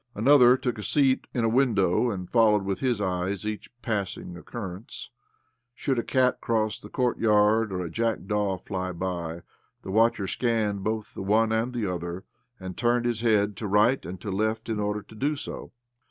Another took a seat in a window, and followed with his eyes each passing occur rence. Should a cat cross the courtyard, or a jackdaw fly by, the watcher scanned both the one and the other, and turned his head to right and to left in order to do so.